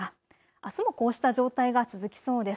あすもこうした状態が続きそうです。